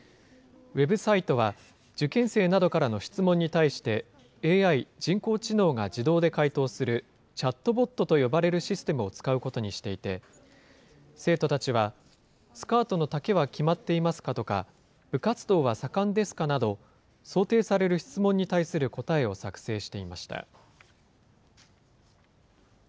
ウェブサイトは、受験生などからの質問に対して、ＡＩ・人工知能が自動で回答するチャットボットと呼ばれるシステムを使うことにしていて、生徒たちは、スカートの丈は決まっていますかとか、部活動は盛んですかなど、想定される質問に対する答えを作成していました。